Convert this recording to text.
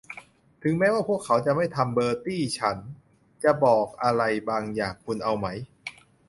ถึงแม้ว่า พวกเขาจะไม่ทำ เบอร์ตี้ ฉันจะบอกอะไรบางอย่างคุณเอาไหม ?